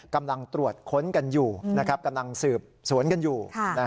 กำลังตรวจค้นกันอยู่กำลังสืบสวนกันอยู่